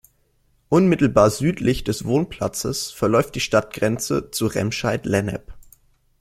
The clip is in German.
Unmittelbar südlich des Wohnplatzes verläuft die Stadtgrenze zu Remscheid-Lennep.